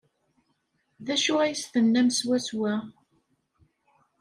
D acu ay as-tennam swaswa?